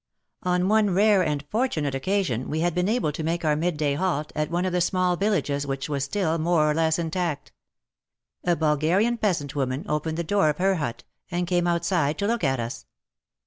On one rare and fortunate occasion we had been able to make our midday halt at one of the small villages which was still more or less intact. A Bulgarian peasant woman opened the door of her hut, and came outside to look at us.